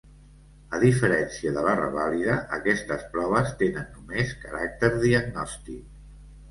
A diferència de la revàlida, aquestes proves tenen només caràcter diagnòstic.